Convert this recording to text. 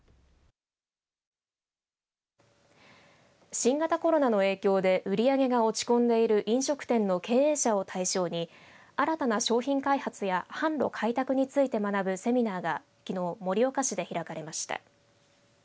新型コロナの影響で売り上げが落ち込んでいる飲食店の経営者を対象に新たな商品開発や販路開拓について学ぶセミナーがきのう盛岡市で開かれました。